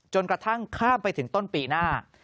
กระทั่งข้ามไปถึงต้นปีหน้า